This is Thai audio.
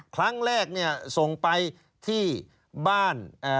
ครั้งแรกเนี่ยส่งไปที่บ้าน